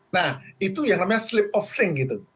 nah itu yang namanya slip of tongue gitu